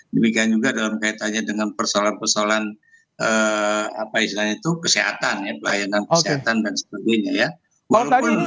demikian juga dalam kaitannya dengan persoalan persoalan apa istilahnya itu kesehatan ya pelayanan kesehatan dan sebagainya ya